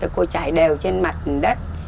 cô chải đều trên mặt đất